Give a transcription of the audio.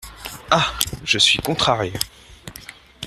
Ah ! je suis contrariée…